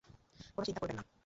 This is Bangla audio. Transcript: কোন চিন্তা করবেন না।